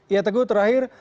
iya teguh terakhir